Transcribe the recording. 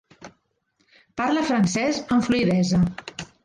Parla francès amb fluïdesa.